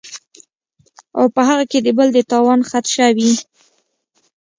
او پۀ هغې کې د بل د تاوان خدشه وي